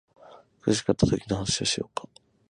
苦しかったときの話をしようか